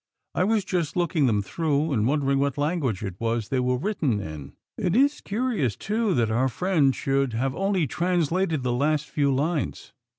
"I was just looking them through and wondering what language it was they were written in. It is curious, too, that our friend should have only translated the last few lines."